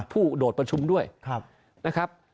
โดดประชุมด้วยนะครับ